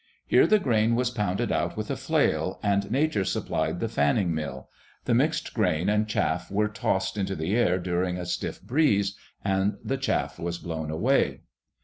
Here the grain was pounded out with a flail, and Nature supplied the fanning mill; the mixed grain and chaff were tossed into the air during a stiff breeze, and the chaff was blown away.